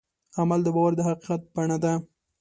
عمل د باور د حقیقت بڼه ده.